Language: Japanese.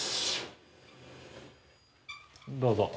どうぞ。